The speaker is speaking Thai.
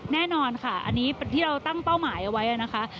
แน่นอนค่ะอันนี้ที่เราตั้งเป้าหมายเอาไว้นะคะ